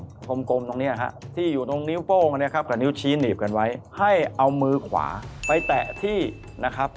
กลมตรงเนี้ยฮะที่อยู่ตรงนิ้วโป้งเนี่ยครับกับนิ้วชี้หนีบกันไว้ให้เอามือขวาไปแตะที่นะครับ